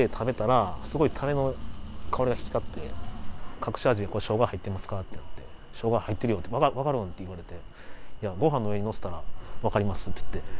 「隠し味にこれショウガ入ってますか？」ってなって「ショウガ入ってるよ。わかるん？」って言われて「いやご飯の上にのせたらわかります」って言って。